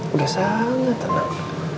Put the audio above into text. udah sangat tenang